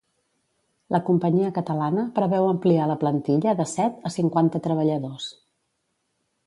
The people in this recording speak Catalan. La companyia catalana preveu ampliar la plantilla de set a cinquanta treballadors.